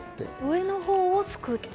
上のほうをすくって。